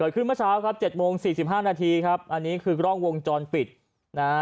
ขึ้นเมื่อเช้าครับ๗โมง๔๕นาทีครับอันนี้คือกล้องวงจรปิดนะฮะ